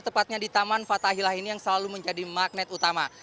tepatnya di taman fatahilah ini yang selalu menjadi magnet utama